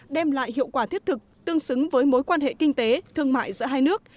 đem lại hiệu quả thiết thực tương xứng với mối quan hệ kinh tế thương mại giữa hai nước